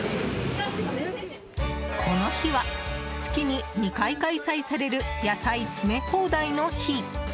この日は、月に２回開催される野菜詰め放題の日。